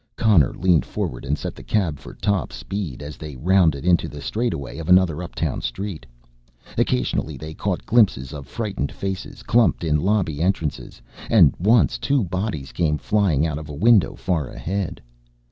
Connor leaned forward and set the cab for top speed as they rounded into the straight away of another uptown street. Occasionally they caught glimpses of frightened faces, clumped in lobby entrances, and once two bodies came flying out of a window far ahead.